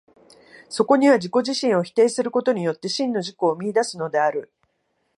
そこには自己自身を否定することによって、真の自己を見出すのである。